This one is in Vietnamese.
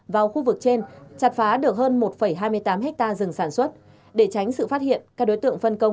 vào khu vực trên chặt phá được hơn một hai mươi tám hectare rừng sản xuất để tránh sự phát hiện các đối tượng phân công